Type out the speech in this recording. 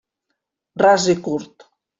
Ras i curt.